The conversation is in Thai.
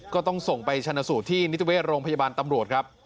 ก็ต้องส่งไปชนะสูตรที่นิติเวชโรงพยาบาลตำรวจครับ